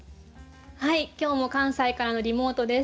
はい今日も関西からのリモートです。